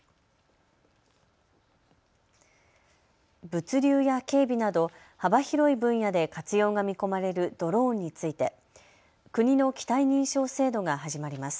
物流や警備など幅広い分野で活用が見込まれるドローンについて、国の機体認証制度が始まります。